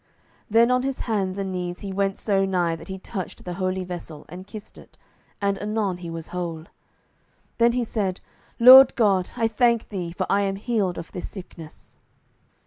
Then on his hands and knees he went so nigh that he touched the holy vessel, and kissed it, and anon he was whole. Then he said, "Lord God, I thank thee, for I am healed of this sickness."